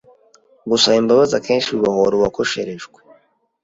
Gusaba imbabazi akenshi bibohora uwakosherejwe